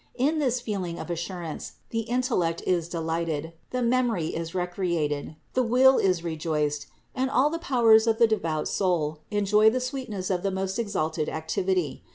In this feeling of assurance the intellect is delighted, the memory is recreated, the will is rejoiced and all the powers of the devout soul enjoy the sweetness of the most exalted activity.